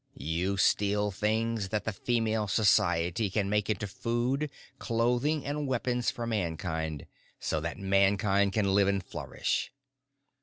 You steal things that the Female Society can make into food, clothing and weapons for Mankind, so that Mankind can live and flourish."